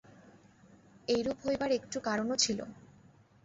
এইরূপ হইবার একটু কারণও ছিল।